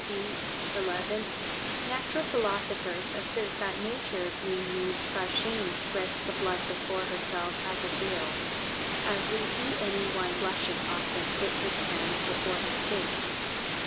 C. 11), "Natural philosophers assert that nature being moved by shame spreads the blood before herself as a veil, as we see any one blushing often puts his hands before his face."